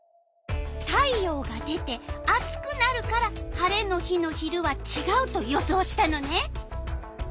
太陽が出て暑くなるから晴れの日の昼はちがうと予想したのね。